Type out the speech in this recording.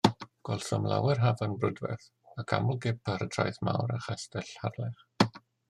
Gwelsom lawer hafan brydferth, ac aml gip ar y Traeth Mawr a Chastell Harlech.